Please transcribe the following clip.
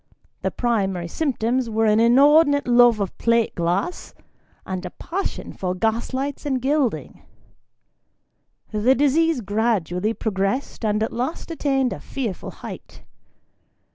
The primary symptoms were an inordinate love of plate glass, and a passion for gas lights and gild ing. The disease gradually progressed, and at last attained a fearful height.